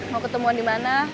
mau ketemuan di mana